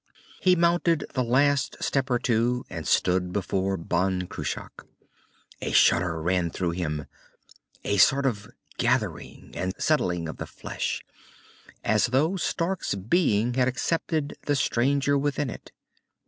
He mounted the last step or two and stood before Ban Cruach. A shudder ran through him, a sort of gathering and settling of the flesh, as though Stark's being had accepted the stranger within it.